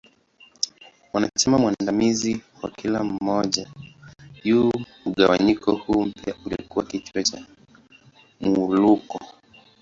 Mwanachama mwandamizi wa kila moja ya mgawanyiko huu mpya alikua kichwa cha Muwuluko.